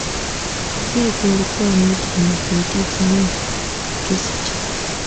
kikor kwanit nyu ketit nin kesicho